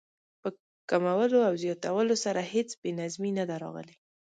په کمولو او زیاتولو سره هېڅ بې نظمي نه ده راغلې.